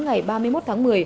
ngày ba mươi một tháng một mươi